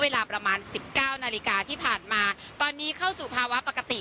เวลาประมาณสิบเก้านาฬิกาที่ผ่านมาตอนนี้เข้าสู่ภาวะปกติ